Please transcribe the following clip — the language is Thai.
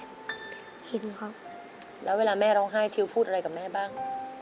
เห็นครับแล้วเวลาแม่ร้องไห้ทิวพูดอะไรกับแม่บ้าง